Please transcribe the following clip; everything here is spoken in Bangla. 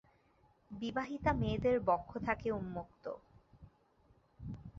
বিবাহিতা মেয়েদের বক্ষ থাকে উন্মুক্ত।